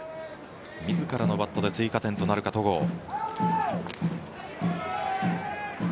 自らのバットで追加点となるか、戸郷。